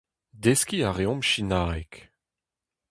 Deskiñ a reomp sinaeg.